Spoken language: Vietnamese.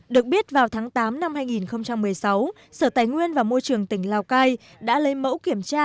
được biết vào tháng tám năm hai nghìn một mươi sáu sở tài nguyên và môi trường tỉnh lào cai đã lấy mẫu kiểm tra